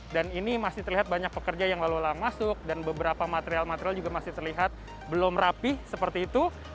dan ini masih terlihat banyak pekerja yang lalu lalu masuk dan beberapa material material juga masih terlihat belum rapih seperti itu